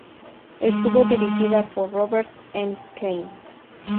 Estuvo dirigida por Robert McQueen.